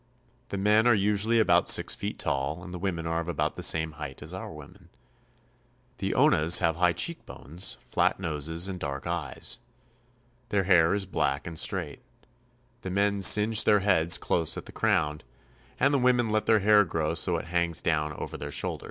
The men are usually about six feet tall, and the women are of about the same height as our women. The Onas have high cheekbones, flat noses, and dark eyes. Their hair is black and straight. The men singe their heads close at the crown, and the women let their hair grow so that it hangs down over their shoulders.